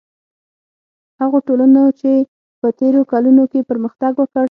هغو ټولنو چې په تېرو کلونو کې پرمختګ وکړ.